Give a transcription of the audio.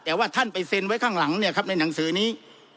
แต่ว่าท่านไปเซ็นไว้ข้างหลังเนี่ยครับในหนังสือนี้